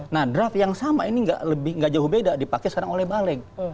nah draft yang sama ini nggak jauh beda dipakai sekarang oleh baleg